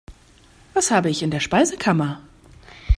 Was habe ich in der Speisekammer?